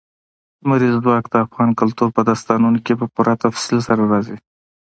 لمریز ځواک د افغان کلتور په داستانونو کې په پوره تفصیل سره راځي.